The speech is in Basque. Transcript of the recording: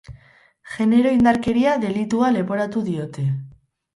Genero indarkeria delitua leporatu diote.